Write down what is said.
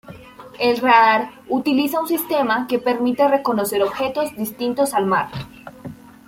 El radar utiliza un sistema que permite reconocer objetos distintos al mar.